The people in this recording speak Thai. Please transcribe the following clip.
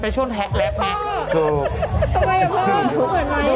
ไปช่วงแท๊กแร็ปนี่